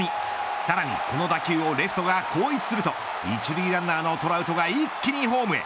さらにこの打球をレフトが後逸すると１塁ランナーのトラウトが一気にホームへ。